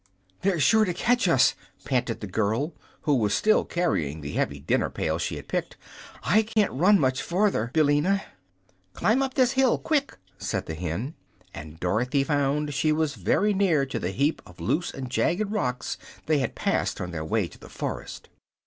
"They're sure to catch us!" panted the girl, who was still carrying the heavy dinner pail she had picked. "I can't run much farther, Billina." "Climb up this hill, quick!" said the hen; and Dorothy found she was very near to the heap of loose and jagged rocks they had passed on their way to the forest.